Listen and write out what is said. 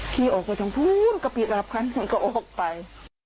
ขี้ออกไปทั้งพูนก็ปิดหลับคันก็ออกไป